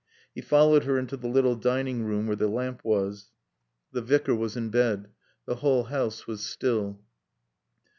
He followed her into the little dining room where the lamp was. The Vicar was in bed. The whole house was still.